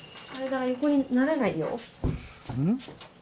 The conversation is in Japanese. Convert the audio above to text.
うん？